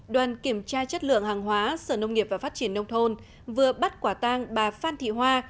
đoàn kiểm tra chất lượng hàng hóa sở nông nghiệp và phát triển nông thôn vừa bắt quả tang bà phan thị hoa